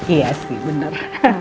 iya sih bener